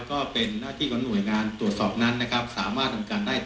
ก็เป็นหน้าที่กับหน่วยงานสามารถทำได้ตามหน้าการตรวจสอบไว้